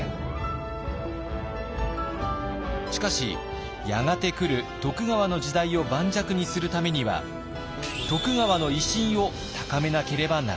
しかしやがて来る徳川の時代を盤石にするためには徳川の威信を高めなければならない。